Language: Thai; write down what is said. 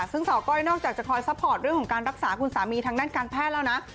ซึ่งสาวก้อยนอกจากจะคอยซัพพอร์ตเรื่องของการรักษาคุณสามีทางด้านการแพทย์แล้วนะ